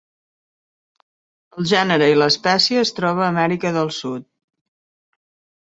El gènere i l'espècie es troba a Amèrica del Sud.